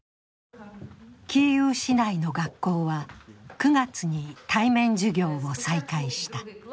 キーウ市内の学校は９月に対面授業を再開した。